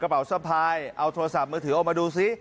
เอาโทรศัพท์มือถือออกมาดูซิ